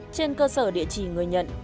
trên cơ sở địa chỉ người nhận